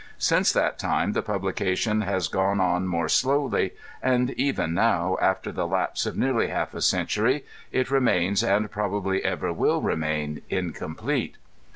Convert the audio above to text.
Since that time the publication has gone on more slowly, and even now, after the lapse of nearly half a century, it remains, and probably ever will remain, incomplete.